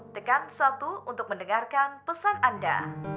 tekan satu untuk mendengarkan pesan anda